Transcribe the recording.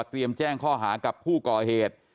เตรียมแจ้งข้อหากับผู้ก่อเหตุ